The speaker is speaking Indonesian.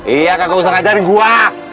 iya kagak usah ngajarin gua